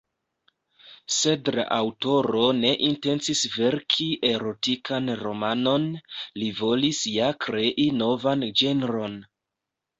Sed la aŭtoro ne intencis verki erotikan romanon, li volis ja krei novan ĝenron.